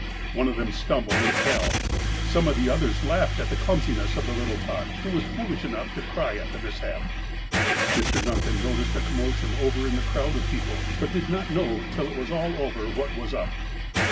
One of them stumbled and fell. Some of the others laughed at the clumsiness of the little tot, who was foolish enough to cry at the mishap. Mr. Duncan noticed a commotion over in the crowd of people ; but did not know till it was all over what was up.